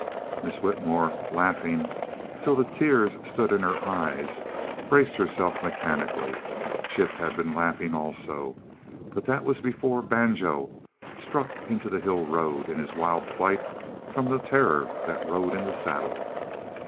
Miss Whitmore, laughing till the tears stood in her eyes, braced herself mechanically. Chip had been laughing also but that was before Banjo struck into the hill road in his wild flight from the terror that rode in the saddle.